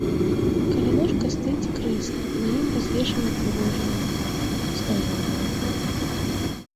Каля ложка стаіць крэсла, на ім развешаны прыгожыя ўборы, незнаёмыя ўборы.